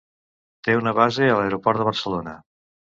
Té una base a l'aeroport de Barcelona.